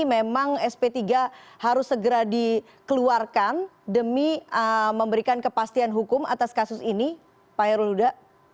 memang sp tiga harus segera dikeluarkan demi memberikan kepastian hukum atas kasus ini pak hairul huda